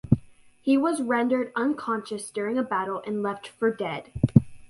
He was rendered unconscious during a battle and left for dead.